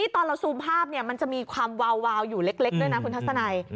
ตอนเราซูมภาพมันจะมีความวาวอยู่เล็กด้วยนะคุณทัศนัย